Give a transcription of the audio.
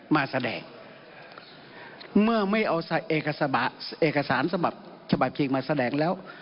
มาแสดงเมื่อไม่เอาเอกสารฉบับฉบับจริงมาแสดงแล้ว